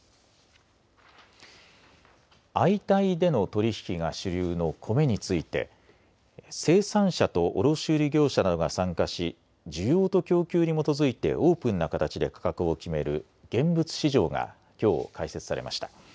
相対での取り引きが主流のコメについて生産者と卸売業者などが参加し需要と供給に基づいてオープンな形で価格を決める現物市場がきょう開設されました。